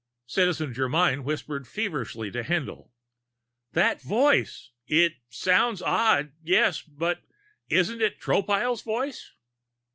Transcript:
Citizen Germyn whispered feverishly to Haendl: "That voice! It sounds odd, yes but isn't it Tropile's voice?"